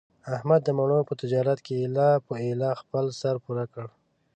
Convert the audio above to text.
احمد د مڼو په تجارت کې ایله په ایله خپل سر پوره کړ.